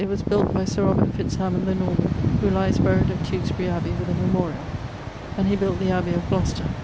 It was built by Sir Robert Fitzhamond the Norman, who lies buried at Tewkesbury abbey with a memorial: and he built the abbey of Glocester.